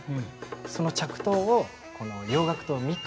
その着到をこの洋楽とミックスする。